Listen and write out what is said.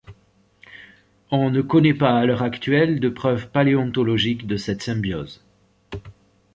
On ne connaît pas à l'heure actuelle de preuve paléontologique de cette symbiose.